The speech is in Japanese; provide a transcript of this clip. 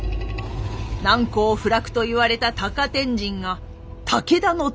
難攻不落と言われた高天神が武田の手に。